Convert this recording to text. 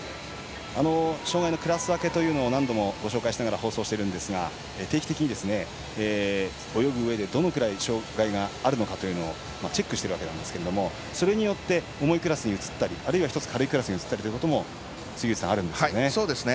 障がいのクラス分けを何度も紹介しながら放送しているんですが定期的に、泳ぐうえでどのぐらい障がいがあるかというのをチェックしてるわけなんですけれどもそれによって重いクラスに移ったりあるいは１つ軽いクラスに移ったりもあるんですよね。